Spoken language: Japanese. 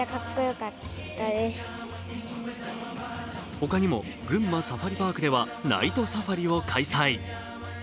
他にも、群馬サファリパークではナイトサファリを開催。